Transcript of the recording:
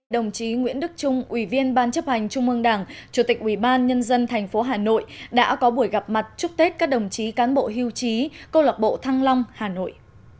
đồng chí nguyễn đức trung ủy viên ban chấp hành trung ương đảng chủ tịch ủy ban nhân dân tp hà nội đã có buổi gặp mặt chúc tết các đồng chí cán bộ hưu trí câu lạc bộ thăng long hà nội